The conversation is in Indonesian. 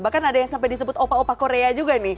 bahkan ada yang sampai disebut opa opa korea juga nih